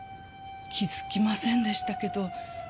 気づきませんでしたけど。